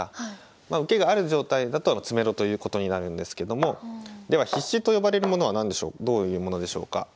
まあ受けがある状態だと詰めろということになるんですけどもでは必至と呼ばれるものは何でしょうどういうものでしょうか。